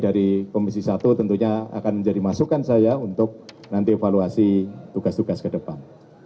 ada evaluasi masukan masukan tadi dari komisi satu tentunya akan menjadi masukan saya untuk nanti evaluasi tugas tugas ke depan